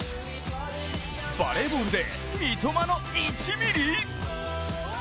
バレーボールで三笘の１ｍｍ？